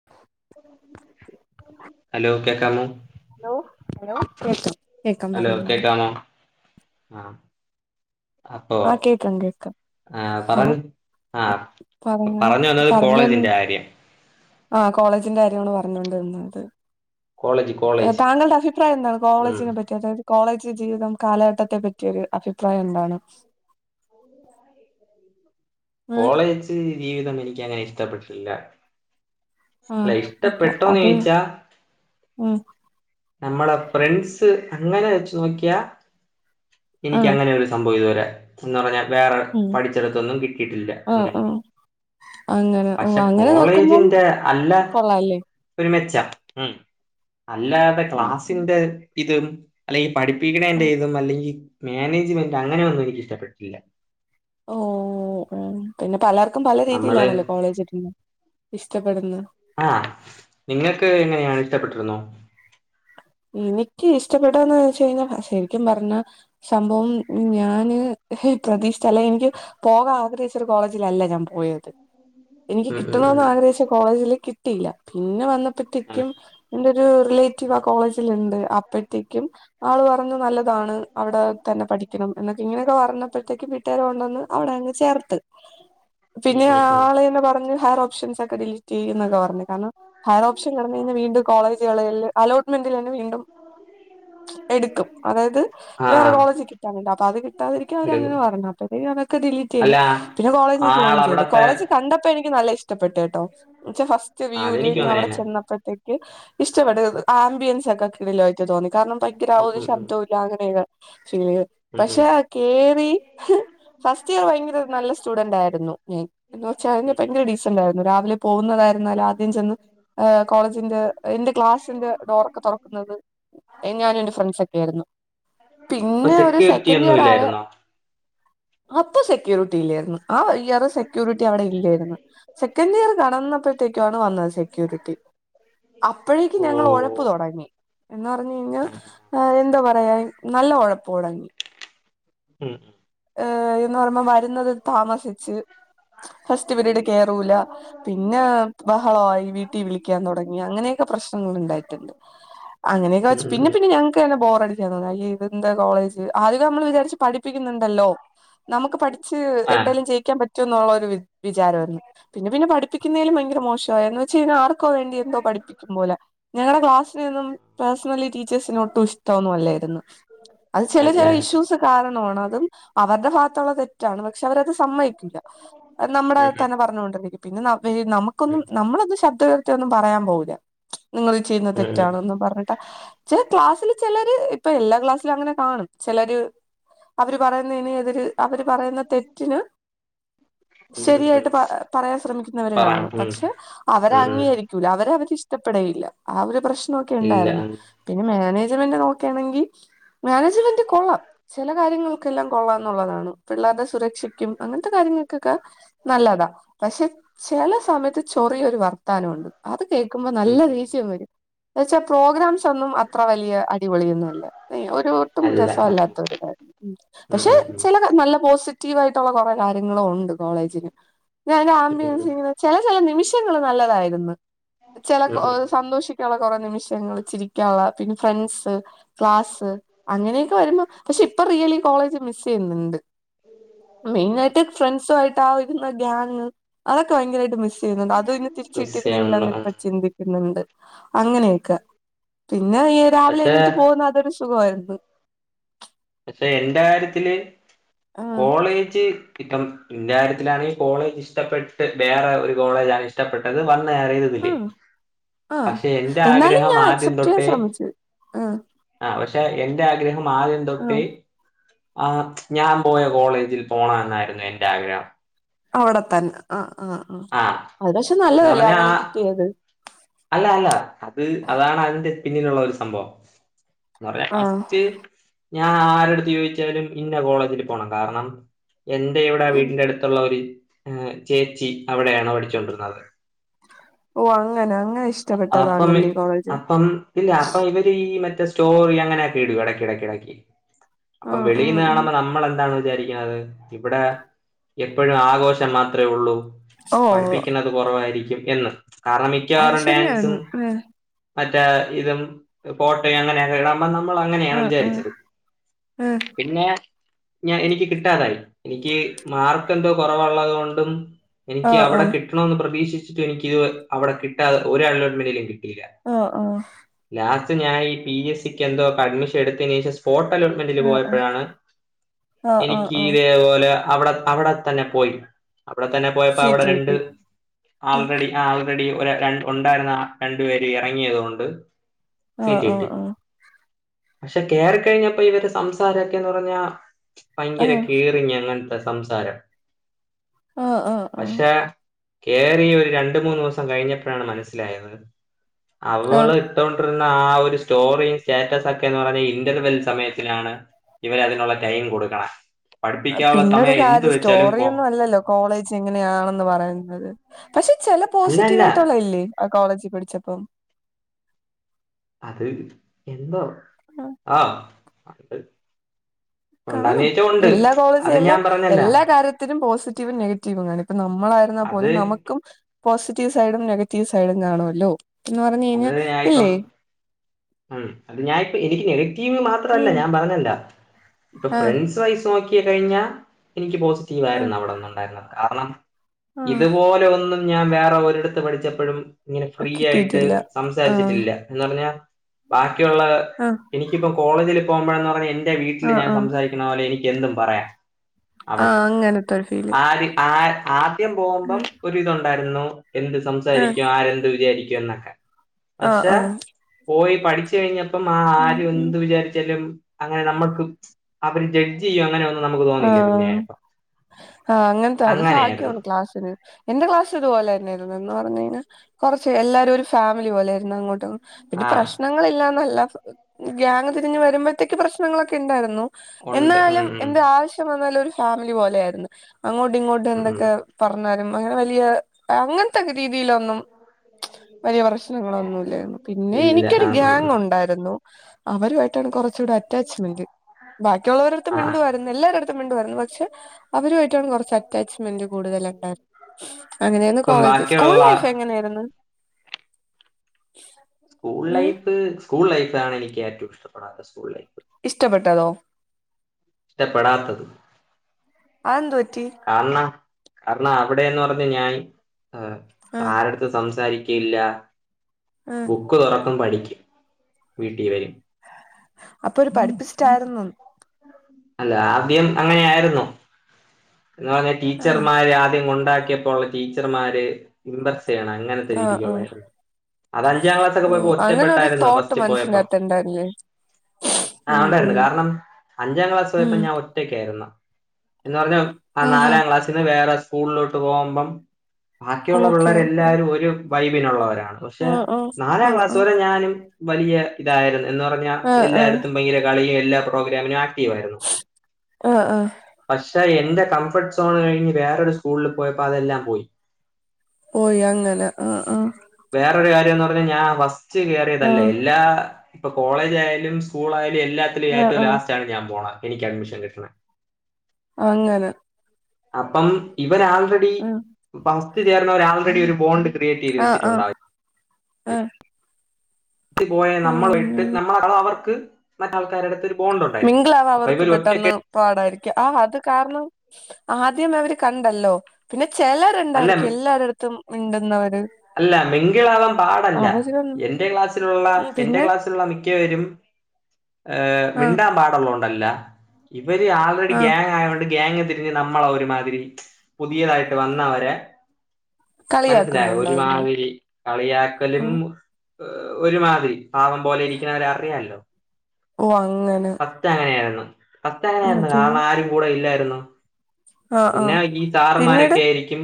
[unintelligible] Hello കേക്കാമോ hello hello കേക്കാം കേക്കാം ഹലോ പറഞ്ഞോളൂ കേക്കാമോ ആഹ അപ്പൊ ആഹ് കേക്കാം കേക്കാം ആ ഹലോ പറങ്ങ് ആഹ പറഞ്ഞ പറഞ്ഞ് വന്നത് കോളേജിന്റെ കാര്യം ആ കോളേജിന്റെ കാര്യാണ് പറഞ്ഞോണ്ട് നിന്നത് കോളേജ് കോളേജ് താങ്കളുടെ അഫി പ്രായം എന്താണ് ഉം കോളേജിനെ പറ്റിയ അതായത് കോളേജ് ജീവിതം കാലഘട്ടത്തെ പറ്റിയൊരു അഫി പ്രായം എന്താണ് ഏഹ് കോളേജ് ജീവിതം എനിക്ക് അങ്ങനെ ഇഷ്ടപ്പെട്ടിട്ടില്ല ആഹ്ഓക്കെ അത് ചോദിച്ചാ ഉം. നമ്മളെ ഫ്രണ്ട്സ് അങ്ങനെ വെച്ച് നോക്കിയാ എനിക്ക് ആഹ് അങ്ങനെൊ ഒരു സംഭവം എനിക്ക് അങ്ങനെ സംഭവം ഇതുവരെ എന്ന് പറഞ്ഞാ വേറെ ഉം പഠിച്ചിടത്തൊന്നും കിട്ടിട്ടില്ല ആഹ് അങ്ങനെ ആഹ് അങ്ങനെ ഓ പക്ഷെ അങ്ങനെ നോക്കുമ്പം കോളേജിന്റെ അല്ല കൊള്ളാല്ലേ ഒരു മെച്ച ഉം ആഹ് അല്ലാതെക്ലാസിന്റെ ഇതു അല്ലെഈ പഠിപ്പിക്കണേന്റെറ ആഹ് ഇതും അല്ലങ്കി മാനേജ്മെന്റ് അങ്ങന്നും എനിക്ക് ഇഷ്ടപ്പെട്ടില്ല. ഓഹ് ഒ പിന്നെ പലർക്കും പല നമ്മള് രീതിയിലാണല്ലോ കോളേജിന്ന് ഇഷ്ടപ്പെടുന്ന. ആഹ് നിങ്ങക്ക് എങ്ങനെയാണ് ഇഷ്ടപ്പെട്ടിര് ന്നോ? എനിക്ക് ഇഷ്ടപ്പെടന്ന് ച്ച കഴിഞ്ഞാശരിക്കും പറഞ്ഞ സംഭവം ഞാന് പ്രതീക്ഷിച്ച ല്ല എനിക്ക് പോകാആഗ്രഹിച്ചരുകോളേജിലല്ല ഞാപോയത് എനിക്ക് കിട്ടണെന്ന് ഉം ആഗ്രഹിച്ച കോളേജില് കിട്ടിയില്ല പിന്നെ വന്നപ്പത്തെക്കുംന്റെ ഒരു റിലേ റ്റ് വ്ആ കോളേജില് ഇണ്ട് അപ്പത്തേക്കും ആള് പറഞ്ഞു നല്ല താണ് അവിടെതന്നെ പഠിക്കണം എന്നൊക്കെ ഇങ്ങനെയൊക്കെ പറഞ്ഞപ്പോഴത്തേക്ക് വീട്ടുകാരകൊണ്ട് കൊണ്ടുവന്ന്അവിടെ ചേർത്ത്. പിന്നെ ഉം ഉം ആ ഉം ഉം ഉം ആളെന്ന് പറഞ്ഞ് ഹെയർ ഓപ്ഷൻസ് ഡിലീറ്റ് ചെയ്യുന്ന പറഞ്ഞ് കാരണം ഹയർ ഓപ്ഷൻ കെടന്നു കഴിഞ്ഞാ വീണ്ടും കോളേജുകളില് അലോട്ട്മെന്റിലന്നെ വീണ്ടും എടുക്കും അതായത് ആ ആ വേറെ കോളേജ് കിട്ടാറുണ്ട് അപ്പൊ അത് കിട്ടാതിരിക്കാൻ എടുക്കും അവരങ്ങനെ പറഞ്ഞത്. അതൊക്കെ ഡിലീറ്റ് അല്ല ചെയ്തു പിന്നെ കോളേജ് ജോയിൻ ചെയ്തു ആളവിടത്തെ കോളേജി കണ്ടപ്പോ എനിക്ക് നല്ല ഇഷ്ടപ്പെട്ടേട്ടോ ന്നച്ചാ ഫസ്റ്റ് ആ, വ്യൂല് അതെനിക്കും ഞാൻ അങ്ങനെ അവടെ തന്നെ ചെന്നപ്പോഴത്തേക്കും ഇഷ്ടപ്പെട്ട് ആംബിയൻസ് ഒക്കെ കിടിലായിട്ട് തോന്നി കാരണം ഭങ്കര ഉം ഒരു ഉം ഉം ശബ്ദം [unintelligible] ഉം പഷേ ഉം കേറി ഫസ്റ്റ് ഇയറ് ഭയങ്കര നല്ല സ്റ്റുഡന്റ് ആയിരുന്നു ഞാൻ എന്ന് വച്ച ഉം ഉം. ഭയങ്കര ഡിസ് [unintelligible] രാവിലെ പോകുന്നതായിരുന്നാലും ആദ്യം ചെന്ന് കോളേജിന്റെ എന്റെ ക്ലാസിന്റെ ഡോറൊക്കെ തൊറക്കുന്നത് എ ഞാനും എന്റെ ഫ്രണ്ട്സൊക്കെ ആയിരുന്നു. അപ്പൊ പിന്നെ ഒരു സെക്യൂരിറ്റി സെക്കൻഡ് ഒന്നും ഇയറ് ആയ ഇല്ലായിരുന്നോ അപ്പൊ സെക്യൂരിറ്റി ഇല്ലെയിരുന്നു ആ ഇയർ സെക്യൂരിറ്റി അവിടെ ഇല്ലേയിരുന്ന്. സെക്കൻഡ് ഇയർ കടന്നപ്പോഴത്തേക്കാണ് വന്നത് സെക്യൂരിറ്റി അപ്പോഴേക്കും ഞങ്ങള് ഒഴ ഴപ്പ് ഓ തൊടങ്ങി എന്ന് പറഞ്ഞു ആ കഴിഞ്ഞാൽ എന്താ പറയാ നല്ല ഒഴപ്പ് തൊടങ്ങി. ഉം. ഏഹ് എന്ന് പറയുമ്പോ വരുന്നത് താമസിച്ച് ഫസ്റ്റ് പിരീഡ് കേറൂല പിന്ന ബഹളായി വീട്ടീ വിളിക്കാൻ തൊടങ്ങി അങ്ങനെയൊക്കെ പ്രശ്നങള് ഉണ്ടായിട്ടുണ്ട്. അങ്ങനെയൊക്കെ ഉം വച്ച് ഉം പിന്നെ ഉം. പിന്നെ ഞങ്ങക്ക് തന്നെ ബോർടിക്കാൻ തോനും അയ്യേ ഇതെന്താ കോളേജ് ആദ്യം നമ്മള് വിചാരിച്ചു പഠിപ്പിക്കുന്നുണ്ടല്ലോ? നമക്ക് പഠിച്ച് ആ എന്തായാലും ജെയിക്കാൻ പറ്റുന്നുള്ള ഒരു വിച് വിചാരാരുന്നു പിന്നെ പിന്നെ പഠി പഠപ്പിക്കുന്നതില് ഭയങ്കര മോശായി ആർക്കോ വേണ്ടി എന്തോ പഠിപ്പിക്കും പോലെ ഞങ്ങടെ ക്ലാസ്സിൽ നിന്നും പേഴ്‌സണലി ടീച്ച് ച്ചസിനൊട്ടും ഇഷ്ടമൊന്നുല്ലായിരുന്ന് അത് ചെല അല്ല ചെല ഇഷ്യൂസ് കാരണാണ് അതും അവരടെ ഭാഗത്തുള്ള തെറ്റാണ് പക്ഷെ അവരത് സമ്മയിക്കൂല നമ്മടെ ഉം ഉം തന്നെ പറഞ്ഞോണ്ടിരിക്കും പിന്നെ ഇവിര് നമുക്കൊന്നും ഉം നമ്മളൊന്നും ശബ്ദ ഉയർത്തി ഒന്നും പറയാൻ പോവുല്ല. നിങ്ങൾ ചെയ്യുന്ന ഉം ഉം തെറ്റാണന്ന് പറഞ്ഞിട്ട ചെല ക്ലാസ്സില് ചെലര് ഇപ്പൊ എല്ലാ ക്ലാസ്സിലും അങ്ങനെ കാണും ചെലര് പറയുന്നതിന് എതിര് അവര് പറയുന്ന തെറ്റിന് ഉം ഉം. ഉം. ശരിയായിട്ട് പറയാൻ ശ്രമിക്കുന്നവര് പറ ഉം കാണും ഉം പക്ഷെ അവര് ഉം. അംഗീകരിക്ക അവര് അവരെ ഇഷ്ടപ്പെടേയില്ല ആ ഒരു പ്രശ്നൊക്കെ ഇല്ല ഉണ്ടായിരുന്ന്. പിന്നെ മാനേജ്മെന്റ് നോക്കേണെങ്കിൽ മാനേജ്മെന്റ് കൊള്ളാം ചെല കാര്യങ്ങൾ ക്കെല്ലാം കൊള്ളാംന്നുള്ളതാണ് പിള്ളേരുടെ സുരക്ഷക്കും അങ്ങനത്തെ കാര്യങ്ങൾക്കൊക്കെ നല്ലതാ പക്ഷെ ചെല സമയത്ത് ചൊറിയൊരു വർ ത്താനൊണ്ട് അത് കേക്കുമ്പോ ഉം നല്ല ഉം ദേഷ്യം വരും എന്ന് വെച്ചാൽ പ്രോഗ്രാംസ് ഒന്നും അത്ര വലിയ അ അടിപൊളിയൊന്നല്ല ഒരു അല്ല ആഹ് ഒട്ടുംരസല്ലത്ത രു ഉം പക്ഷെ ഉം ഉം ചെലത് നല്ല പോസിറ്റീവ് ആയിട്ടുള്ള കൊറേ കാര്യങ്ങളുണ്ട് കോളേജിൽ പിന്നെ അയിന്റെ ഉം അമ്പിയൻസ് ഉം ചെല ചെല നിമിഷങ്ങള് നല്ലതായിരുന്ന് ചെല ഉം സന്തോഷി കുറ നിമിഷങ്ങൾ ചിരിക്കാള്ള പിന്നെ ഫ്രണ്ട്സ് ക്ലാസ്സ് അങ്ങനെയൊക്കെ വരുമ്പോ പക്ഷെ ഇപ്പ റിയലി കോളേജ് മിസെയ്യുന്നുണ്ട് മെയിൻ ആയിട്ട് ഫ്രണ്ട്സായിട്ട് രുന്ന ഗ്യാങ് അതൊക്കെ ഭയങ്കരായിട്ട് മിസ് ചെയ്യുന്നുണ്ട് അതും ഇന്ന് മിസ് ചെയ്യണല്ലോ തിരിച്ചിട്ടിരുന്നെങ്കിലോന്ന് ഇപ്പ ആഹ് ചിന്തി ന്ന്ണ്ട് അങ്ങനെയൊക്കെ പിന്നെ രാവിലെ പക്ഷെ എണീറ്റ് പോകുന്ന അതൊരു സുഖായിരുന്നു പക്ഷെ എന്റെ കാര്യത്തില് ആ കോളേജ് കിട്ടം ഇന്റെ കാര്യത്തിലാണെങ്കി കോളേജ് ഇഷ്ടപ്പെട്ട് വേറെ ഒരു കോളേജ് ആണ് ഇഷ്ട ഇഷ്ടപ്പെട്ടത് വന്നേറിയത് ആ ഇതില് ആ പഷെ എന്റെ എന്നാലും ആഗ്രഹം ഞാൻ ആദ്യം അക്സെപ്റ്റ് ചെയ്യാൻ തൊട്ടേ ശ്രമിച്ചു ആ ആഹ് പഷെ എന്റെ ആഗ്രഹം ആദ്യം ആ തൊട്ടെ ആഹ് ഞാൻ പോയ കോളേജിൽ പോണം എന്നായിരുന്നു എന്റെ ആഗ്രഹം അവടെ ത്തന്നെ ആഹ് ആഹ് ആഹ് അത് പക്ഷെ എന്ന് നല്ലതല്ലേ പറഞ്ഞാ അങ്ങനെ ആ- കിട്ടിയത് അല്ല അല്ല അത് അതാണ് അതിന്റെ പിന്നിലുള്ള ഒരു സംഭവം ആഹ് ഫസ്റ്റ് ഞാൻ ആരടുത്ത് ചോദിച്ചാലും ഇന്ന കോളേജിൽ പോണം കാരണം എന്റെ ഇവിടെ ഉം വീടിന്റെ അടുത്തുള്ള ഒരു ചേച്ചി അവിടെയാണ് പഠിച്ചൊണ്ടിരുന്നത്. ഓഹ് അങ്ങനെ അങ്ങനെ ഇഷ് അഹ് അപ്പം മീൻസ് അപ്പം ഇല്ല അപ്പൊ ഇവര് ഈ മറ്റേ സ്റ്റോറി അങ്ങനെയൊക്കെ ഇടും ഇടക്കിടക്ക്. അപ്പം ആഹ് വെളിൽന്ന് ആഹ് ആഹ് കാണുമ്പോ നമ്മൾ എന്താണ് വിചാരിക്കണുന്നത്. ഇവിടെ എപ്പോഴും ആഘോഷം മാത്രേഉള്ളൂ ഓ പഠിപ്പിക്കണത് കുറവായിരിക്കും എന്ന് കാരണം അത് മിക്കവാറും ശരിയാണ് ഡാൻസും. ഏഹ് മറ്റേ ഇതും പോട്ടയും അങ്ങനെയൊക്കെ നമ്മളങ്ങനെയാണ് ആഹ് ആഹ് വിചാരിച്ചത്. ഏഹ് പിന്നെ. ഞാൻ എനിക്ക് കിട്ടാതായി എനിക്ക് മാർക്കന്തോ കുറവുള്ളത് കൊണ്ടും. എനിക്ക് ആഹ് അവിടെ ആഹ് കിട്ടണോന്ന് പ്രതീക്ഷിച്ചിട്ട് എനിക്ക് അവിടെ കിട്ടാതെ ഒരു അലോട്ട്മെന്റിലും എന്നിക്ക് കിട്ടില്ല. ആഹ് ആഹ് ലാസ്റ്റ് ഞാൻ ഈ പി എ സി ക്ക് എന്തോ അഡ്മിഷൻ എടുത്തതിനു ശേഷ. ഹോട്ട് അലോട്ട്മെന്റിൽ ആഹ് ആഹ് പോയപ്പോഴാണ് ആഹ് ആഹ് എനിക്ക് ആഹ് ഇതേ പോലെ അവിടെ അവിടെ തന്നെ പോയി അവിടെ ത്തന്നെ പോയപ്പോ അവിടെ സീറ്റ് രണ്ട് കിട്ടി ആഹ് ആൾറെഡി ആൾറെഡി ഒരു ര ഉണ്ടായിരുന്ന രണ്ടു പേര് ഇറങ്ങിയതൊണ്ട്. ആഹ് സീറ്റ് ആഹ് കിട്ടി. പക്ഷെ കേറി ക്കഴിഞ്ഞപ്പോ ഇവര് സംസാരൊക്കെന്ന് പറഞ്ഞാ ഭയങ്കര ആഹ് കേറിങ്ങാ അങ്ങൊ. സംസാരം. ആഹ് ആഹ് ആഹ് പക്ഷെ കേറിയ ഒരു രണ്ടുമൂന്നൂസം കഴിഞ്ഞപ്പോഴാണ് മനസ്സിലായത്. ആഹ് അവള് ണ്ടിരുന്ന ആ ഒരു സ്റ്റോറിം സ്റ്റാറ്റ സൊക്കെന്ന് പറഞ്ഞ ഇന്റർവെൽ സമയത്തിലാണ്. ഇവരതിനുള്ള ടൈം കൊടുക്കണ പിന്നെ ഒരു കാര്യം കൊ സ്റ്റോറിയൊന്നു അല്ല ല്ലോ കോളേജ് എങ്ങനെയാണെന്ന് പറയുന്നത് പക്ഷെ ചില അല്ല അല്ല പോസിറ്റീവ് ആയിട്ടുള്ള ല്ലേ. ആഹ് കോളേജിൽ പഠിച്ചപ്പം. അത് എന്തോ ആ ആഹ് അത് ണ്ട് കാണും. എല്ലാ കോളേജും അല്ലാ പറഞ്ഞല്ല എല്ലാ കാര്യത്തിനും പോസിറ്റീവും നെഗറ്റീവും കാണും ഇപ്പ നമ്മളായിരുന്ന അത് പോലും നമ പ്പെ പോസിറ്റീവ് സൈഡും നെഗറ്റീവ് സൈഡും കാണുവ ല്ലോ. [unintelligible] ഇല്ലേ. ഉമ് അത് ഞാനിപ്പോ എനിക്ക് നെഗറ്റീവ് ഉം മാത്രല്ല ഞാൻ പറഞ്ഞ ല്ലോ ഇപ്പൊ ആഹ് ഫ്രണ്ട്സ് വൈസ് നോക്കി കഴിഞ്ഞാൽ എനിക്ക് ആഹ് പോസിറ്റീവായിരുന്നു അവിടെന്ന ഉണ്ടായിരുന്നത് കാരണം. ആഹ് ഇതുപോലെ ഒന്നും ഞാൻ വേറെ ഒരിടത്ത് പഠിച്ചപ്പോഴും ഇങ്ങനെ ഫ്രീ ആയിട്ട്. കിട്ടിയിട്ടില്ല ആഹ് സംസാരിച്ചിട്ടില്ല എന്നാ പിന്നെ ബാക്കിയുള്ളവർ. ആഹ എനിക്കിപ്പോ കോളേജിൽ പോകുമ്പോഴന്ന് പറഞ്ഞ എന്റെ വീട്ടിൽ ആഹ് ഞാൻ ആഹ് സംസാരിക്കുന്ന പോലെ എനിക്ക് എന്തും പറയാം. അവൾ ആഹ് അങ്ങനത്തെ ഒരു ഫീല് ആര് ആ ആദ്യം പോകുമ്പം ആഹ് ഒരിതുണ്ടായിരുന്നു എന്ത് ആഹ് സംസാരിക്കും ആരെന്ത് വിചാരിക്കും എന്നൊക്കെ. പക്ഷെ ആഹ് പോയി പഠിച്ച് കഴിഞ്ഞപ്പം ആ ആര് എന്ത് വിചാരിച്ചാലും. അങ്ങനെ നമ്മുക്ക് അവര് ജഡ് ഈ അങ്ങനൊന്നും നമ്മക്ക് ആഹ ആ അങ്ങനത്തെ അത് അങ്ങനെയായിരുന്നു ഭാഗ്യമാണ് ക്ലാസ്സിന്. എന്റെ ക്ലാസ് ഇത്പോലായിരുന്നായിരുന്നു എന്ന് പറഞ്ഞ കഴിഞ്ഞൽ കുറച്ച് എല്ലാരും ഒരു ഫാമിലി പോലൊയിയിരുന്നു അങ്ങോട്ടും പിന്നെ ആ പ്രശ്നങ്ങളില്ലാന്നല്ല ഗാങ് തിരിഞ്ഞ് വരുമ്പഴത്തേക്ക് പ്രശ്നങ്ങളൊക്കെ ഉണ്ടായിരുന്നു. ഉണ്ട് ഉം എന്നാലും ഉം എന്ത് ആവശ്യം വന്നാലും ഒരു ഫാമിലി പോലെ ആായിരുന്നു അങ്ങോട്ടും ഇങ്ങോട്ട് ഉം ഉം. എന്തൊക്കെ പറഞ്ഞാരും അങ്ങനെ വലിയ അങ്ങനത്തെ രീതിയിലൊന്നും വലിയ പ്രശ്ന പ്രശ്ങ്ങളൊന്നുല്ലാരുന്നു പിന്നെ ഇല്ല എനിക്കൊരു ആ ഉം ഗ്യാങ് ഉം. ഉണ്ടായിരുന്നു അവരുആയിട്ടാണ് കുറച്ചൂടെ അ അറ്റാച്ച്മെന്റ് ബാക്കിയുള്ളവരെടുത്ത് ആ മിണ്ടുവായിരുന്നു എല്ലാരെടുത്തും മിണ്ടുവായിരുന്നു പക്ഷെ അവരുമായിട്ടാണ് കൊറച്ച് അറ്റാച്ച്മെന്റ് കൂടുതലണ്ടായിരുന്നു അങ്ങനെയരുന്നു ഇപ്പം കോളജ്. സ്കൂൾ ബാക്കിയുള്ള ലൈഫ് എങ്ങനെയായിര്ന്ന് [inaudible] സ്കൂൾ ലൈഫ് സ്കൂൾ ലൈഫാണ് എനിക്ക് ഏറ്റവും ഇഷ്ടപ്പെടാത്തെ സ്കൂൾ ലൈഫ് ഇഷ്ടപ്പെട്ടതോ ഇഷ്ടപ്പെടാത്തത് അഹ്‌ന്തുപറ്റി? കാരണം കാരണം അവിടെന്ന് പറഞ്ഞാ ഞാൻ ആ ആരെട് സംസാരിക്കല്ല ആ പോ ബുക്ക് തൊറക്കും പഠിക്കും വീട്ടിവരും അപ്പൊ ഒരു പഠിപ്പിസ്‌റ്റായിരുന്നു അല്ല ആദ്യം അങ്ങനെ ആയിരുന്നു എന്ന്പറഞ്ഞാ ആ ടീച്ചർമാര് ആദ്യം കൊണ്ടാക്കിയപ്പോ ഉള്ള ടീച്ചർമാര് എന്ത അങ്ങനത്തെ ആ ആ രീതിക്കുള്ളായിരുന്നു അത അഞ്ചാക്ലാസൊക്കെ ഓ പോയപ്പോ അങ്ങനെ ഒരു ഒറ്റപ്പെട്ടായിരുന്നു തോട്ട് ഫസ്‌റ്റിൽ പോയപ്പോ മനസ്സിനകത്ത് ഉണ്ടായിരുന്നില്ലേ ആഹ് ഉം ഉണ്ടായിരുന്നു ഉം കാരണം അഞ്ചാക്ലാസ് പോയപ്പോ ഉം ഞാൻ ഒറ്റ ഒറ്റക്കായിരുന്നു എന്നപറഞ്ഞ ആഹ് ആഹാ നാലാം ക്ലാസിന്ന് വേറെ സ്കൂളിലോട്ട് പോകുമ്പം ബാക്കിയുള്ള ഓക്കെ ഓക്കെ പിള്ളരെല്ലാരും ഒരു വൈബിനുള്ളവരാണ് ആ പക്ഷെ ആ ആ ആ നാലാക്ലാസ് വരെ ഞാനും വലിയ ഇതായിരുന്നു എന്ന് പറഞ്ഞാ ആ ആ എല്ലാരടത്തും ഭയങ്കര കളിയും എല്ലാ പോഗ്രമിനും ആക്ടീവായിരുന്ന് ആഹ് ആഹ് പഷെ എന്റെ കംഫർട്ട്സോൺ കഴിഞ്ഞ് വേറൊരു സ്കൂളിപോയപ്പോ അതെല്ലാം പോയി പോയി അങ്ങന ആഹ് ആഹ് വെറോരു കാര്യന്ന് പറഞ്ഞാൽ ഞാൻ ഫസ്റ്റ് ആ കേറിയതല്ലേ എല്ലാ ഇപ്പൊ കോളേജായാലും സ്കൂളായാലും എല്ലാത്തിലും ആ ഏറ്റവും ആ ലാസ്റ്റാണ് ഞാൻ പോണ എനിക്ക് അഡ്മിഷൻ കിട്ടണെ അങ്ങനെ അപ്പം ഇവർ ആൾറെഡി ആ ഫസ്റ്റ് ചേർന്നവര് ആൾറെഡി ഒരു ബോണ്ട് ക്രിയേറ്റ് ചെയ്ത് ആഹ് ആഹ് വെച്ചിട്ടുണ്ട് ആഹ് ലാസ്‌റ്റ് പോയ നമ്മളട്ട് അങ്ങനെ നമ്മ അവർക്ക് മറ്റ ആൾക്കാരുടുത്തൊരു മിങ്കളാവവർക്ക് പെട്ടെന്ന് പാടായിരിക്കും ആ അത് കാരണം ആദ്യം അവര് കണ്ടല്ലോ പിന്നെ ചെല അല്ല ര്ണ്ടായിരിക്കും എല്ലാരടത്തും മിണ്ടുന്നവര് അല്ല മിങ്കിളാവാൻ പാടല്ല അവര് ഉം എന്റെ ക്ലാസ്സിലുള്ള എന്റെ പിന്നെ ക്ലാസ്സിലുള്ള മിക്ക മിക്കവരും ഏഹ് ആ മിണ്ടാൻ പാടുള്ളോണ്ടല്ല ഇവര് ആൾറെഡി ആ ഗ്യങ്ങയത് കൊണ്ട് ഗ്യങ്ങ് നമ്മള ഒരുമാതിരി പുതിയതായിട്ട് വന്നവരെ മനസ്സിലായോ കളിയാക്കുന്നുണ്ടാ? ഒരുമാതിരി കളിയാക്കലും ഒരുമാതിരി പാവം പോലെ ഇരിക്കുന്നവരെ അറിയാലോ ഓ അങ്ങന പത്ത് അങ്ങനെയായിര്ന്നു പത്ത് അങ്ങനൊയിരുന്നു കാരണം ആരും കൂടെ ഇല്ലായിരുന്നു ആ ആ പിന്നെ ഈ പിന്നീട് സാറന്മാരൊക്കെയായിരിക്കും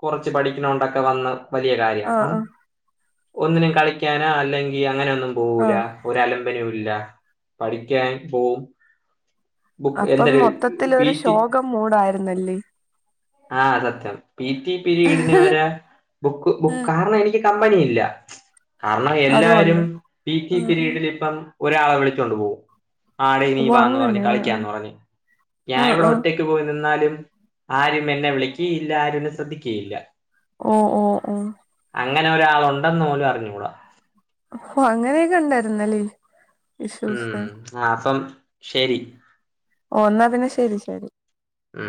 കൊറച്ച് പഠിക്കണണ്ടൊക്കെ വന്ന് വല്യ ആ കാര്യക്ക ആ ഒന്നിനും കളിക്കാനാ അല്ലെങ്കി അങ്ങനെ ഒന്നും ആ പോവൂല ഒരലമ്പിനുല്ല പഠിക്കാൻ പോവും ബുക്ക് അപ്പം എന്തൊരു മൊത്തത്തിലൊരു ശോകമൂടായിരുന്നല്ലേ ആഹ് സത്യം പീട്ടി പിരീഡിന് വരെ ബുക്ക് ബുക്ക് കാരണനിക്ക് കമ്പനി ഇല്ല കാരണം എല്ലാരും അതുകൊണ്ട് പീട്ടി ഉം ഉം പിരീഡിൽ ഇപ്പ ഒരാളെ വിളിച്ചൊണ്ട് പോകും വാട നീ ഓ വാ പറഞ്ഞ് അങ്ങനെ കളിക്കാന്ന്റഞ്ഞ് ആ ഞാൻ ഇവിടെ ആ ഒറ്റക്ക് ങ്ങട്ട് പോയി നിന്നാലും ആരും എന്നെ വിളിക്കുയില്ല ആരുന്നെ ശ്രദ്ധിക്കുയില്ല ഓഹ് ഓഹ് ഓ അങ്ങനെ ഒരാളു ഒണ്ടെന്ന് പോലും അറിഞ്ഞുകൂടാ ഓ അങ്ങനെയൊക്കെ ഉണ്ടായിരുന്നല്ലേ ഇഷ്യൂസ് ഉം ആ അപ്പം ശരി ഓ ഒന്നാ പിന്നെ ശരി ശരി ഉം